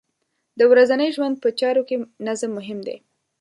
د ورځنۍ ژوند په چارو کې نظم مهم دی.